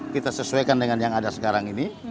kita sesuaikan dengan yang ada sekarang ini